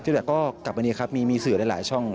ทีนี้ก็กลับมานี้ครับมีสื่อได้หลายช่อง